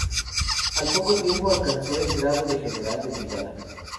Al poco tiempo alcanzó el grado de general de brigada.